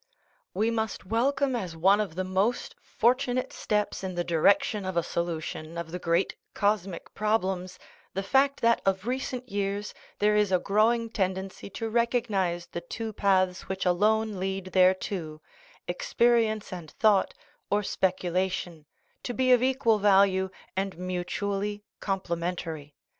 We must welcome as one of the most fortunate steps in the direction of a solution of the great cosmic prob lems the fact that of recent years there is a growing tendency to recognize the two paths which alone lead thereto experience and thought, or speculation to be of equal value, and mutually complementary.